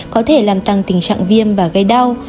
có thể làm tăng tình trạng viêm và gây đau